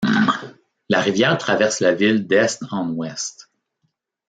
La rivière traverse la ville d'est en ouest.